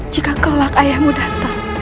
jika kelak ayahmu datang